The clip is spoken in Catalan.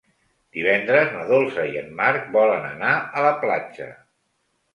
Divendres na Dolça i en Marc volen anar a la platja.